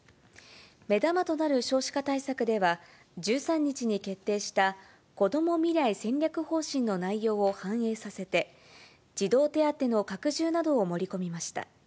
目玉となる少子化対策では、１３日に決定したこども未来戦略方針の内容を反映させて、児童手当の拡充などを盛り込みました。